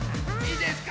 いいですか？